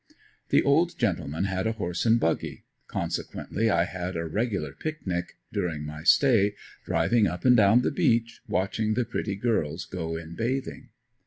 The old gentleman had a horse and buggy, consequently I had a regular picnic, during my stay, driving up and down the beach watching the pretty girls go in bathing.